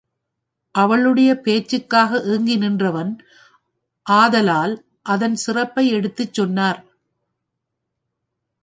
அவளுடைய பேச்சுக்காக ஏங்கி நின்றவன் ஆதலால் அதன் சிறப்பை எடுத்துச் சொன்னார்.